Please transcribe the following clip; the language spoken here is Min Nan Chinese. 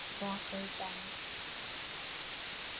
鳳山西站